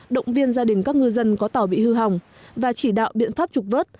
động viên gia đình các ngư dân có tàu bị hư hỏng và chỉ đạo biện pháp trục vớt